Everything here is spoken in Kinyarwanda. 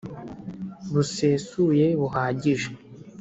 busesuye: buhagije